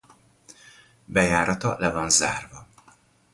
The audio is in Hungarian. Bejárata le van zárva.